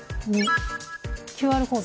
ＱＲコード。